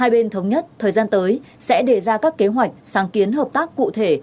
hai bên thống nhất thời gian tới sẽ đề ra các kế hoạch sáng kiến hợp tác cụ thể